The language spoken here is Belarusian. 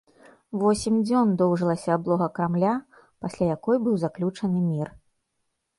Восем дзён доўжылася аблога крамля, пасля якой быў заключаны мір.